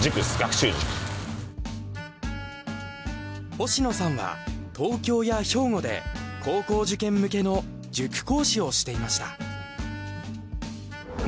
星野さんは東京や兵庫で高校受験向けの塾講師をしていました。